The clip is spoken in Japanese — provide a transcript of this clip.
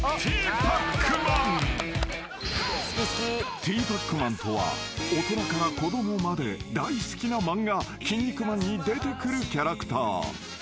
［ティーパックマンとは大人から子供まで大好きな漫画『キン肉マン』に出てくるキャラクター］